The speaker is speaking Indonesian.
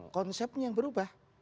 konsepnya yang berubah